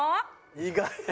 意外。